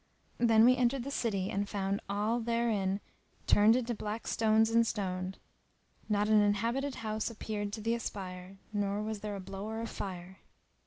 Then we entered the city and found all who therein woned into black stones enstoned: not an inhabited house appeared to the espier, nor was there a blower of fire.